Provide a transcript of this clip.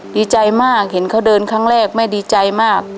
ดีใจมากเห็นเขาเดินครั้งแรกแม่ดีใจมาก